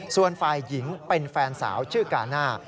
ส่วนฝ่ายหญิงเป็นแฟนสาวชื่อกาน่า